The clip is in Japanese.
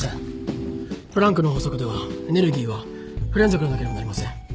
プランクの法則ではエネルギーは不連続でなければなりません。